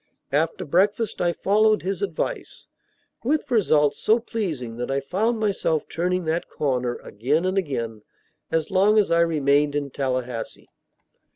After breakfast I followed his advice, with results so pleasing that I found myself turning that corner again and again as long as I remained in Tallahassee.